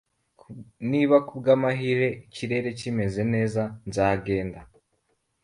Niba kubwamahirwe ikirere kimeze neza, nzagenda